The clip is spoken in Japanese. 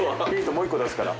もう１個出すから。